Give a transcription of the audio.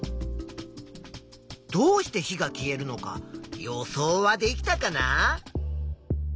どうして火が消えるのか予想はできたかな？